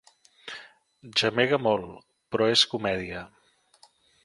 Gemega molt, però és comèdia.